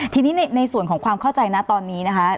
ทีนี้ในส่วนของความเข้าใจนะตอนนี้นะคะ